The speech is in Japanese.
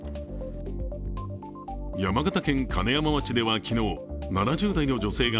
山形県金山町では昨日、７０代の女性が